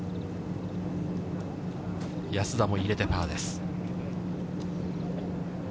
安田も入れてパーです。